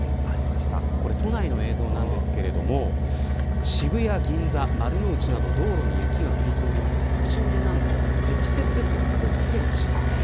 これ、都内の映像なんですけど渋谷、銀座、丸の内など道路に雪が降り積もって都心で何と積雪ですよ６センチ。